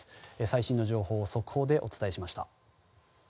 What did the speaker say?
最新の情報を速報でお伝えしました。